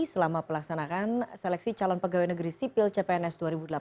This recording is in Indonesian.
selama pelaksanaan seleksi calon pegawai negeri sipil cpns dua ribu delapan belas